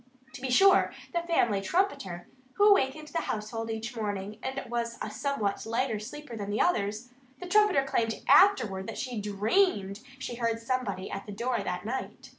To be sure, the family trumpeter who awakened the household each morning and was a somewhat lighter sleeper than the others the trumpeter claimed afterward that she DREAMED that she heard somebody at the door that night.